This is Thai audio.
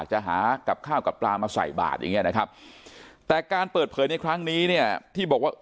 จะหากับข้าวกับปลามาใส่บาทอย่างเงี้ยนะครับแต่การเปิดเผยในครั้งนี้เนี่ยที่บอกว่า